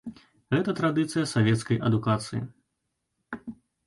Гэта традыцыя савецкай адукацыі.